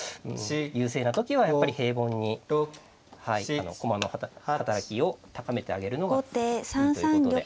優勢な時はやっぱり平凡に駒の働きを高めてあげるのがいいということで。